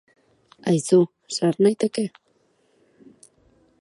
Aizu, sar naiteke?